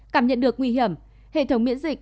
cảm nhận được nguy hiểm hệ thống miễn dịch